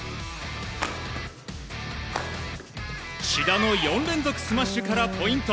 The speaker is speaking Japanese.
志田の４連続スマッシュからポイント。